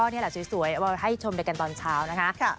นี่แหละสวยให้ชมด้วยกันตอนเช้านะคะ